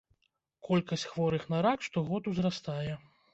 Колькасць хворых на рак штогод узрастае.